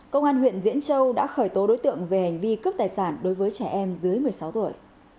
công an huyện diễn châu đã khởi tố đối tượng về hành vi cướp tài sản đối với trẻ em dưới một mươi sáu tuổi